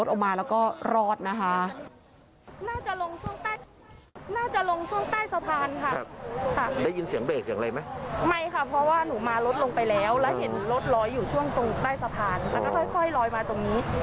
ตอนนั้นเราก็ได้ยินเสียงคนร้องให้ช่วยไหม